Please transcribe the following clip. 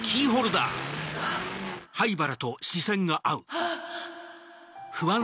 あっ！